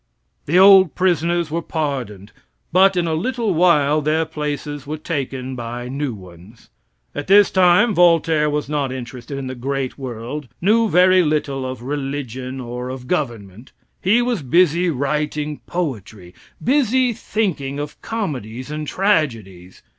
The old prisoners were pardoned; but in a little while their places were taken by new ones. At this time Voltaire was not interested in the great world knew very little of religion or of government. He was busy writing poetry, busy thinking of comedies and tragedies.